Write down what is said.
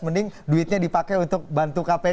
mending duitnya dipakai untuk bantu kpk